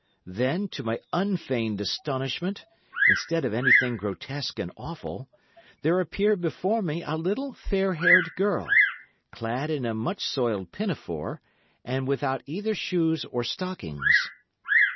Then, to my unfeigned astonishment, instead of anything grotesque and awful, there appeared before me a little fair haired girl, clad in a much soiled pinafore and without either shoes or stockings.